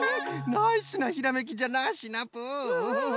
ナイスなひらめきじゃなシナプー！